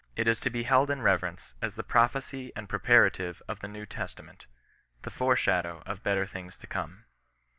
It is to be held in reverence as the prophecy and preparative of the New Testament — the fore shadow of better things to come.